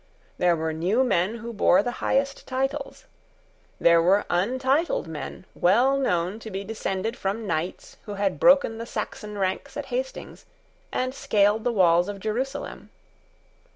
There were new men who bore the highest titles. There were untitled men well known to be descended from knights who had broken the Saxon ranks at Hastings, and scaled the walls of Jerusalem.